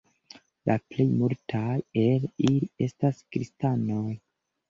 La plej multaj el ili estas kristanoj.